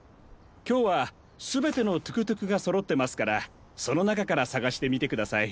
きょうはすべてのトゥクトゥクがそろってますからそのなかからさがしてみてください。